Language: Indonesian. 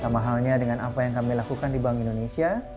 sama halnya dengan apa yang kami lakukan di bank indonesia